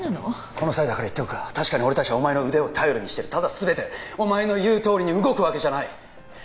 この際だから言っておくが確かに俺達はお前の腕を頼りにしてるただ全てお前の言うとおりに動くわけじゃない！